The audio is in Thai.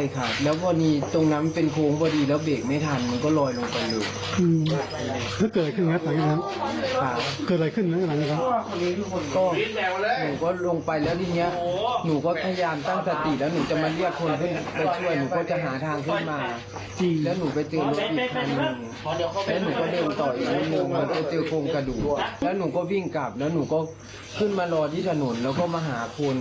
ก็วิ่งกลับแล้วหนูก็ขึ้นมารอที่ถนนแล้วก็มาหาคน